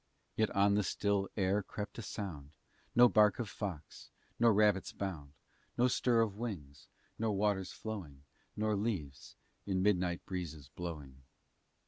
Yet on the still air crept a sound, No bark of fox, nor rabbit's bound, No stir of wings, nor waters flowing, Nor leaves in midnight breezes blowing.